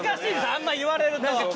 あんまり言われると。